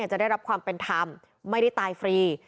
จะได้รับความเป็นธรรมไม่ได้ตายฟรี